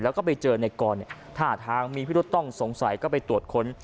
แล้วก็ไปเจอนายกรเนี่ยถ้าหาทางมีผิดลดต้องสงสัยก็ไปตรวจค้น